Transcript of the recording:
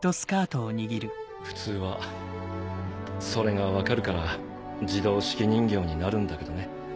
普通はそれが分かるから自動手記人形になるんだけどね。